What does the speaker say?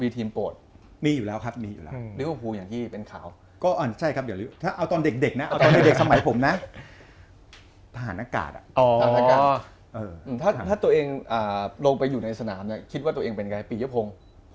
ถ้าตัวเองลงไปอยู่ในสนามคิดว่าตัวเองเป็นยังไงปีเยาะพง